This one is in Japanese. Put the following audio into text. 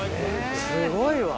すごいわ。